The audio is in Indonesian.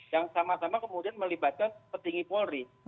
yang sama sama kemudian melibatkan petinggi polri